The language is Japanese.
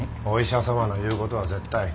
お医者さまの言うことは絶対。